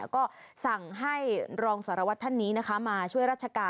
ก็สั่งให้รองสารวัตรท่านนี้มาช่วยราชการ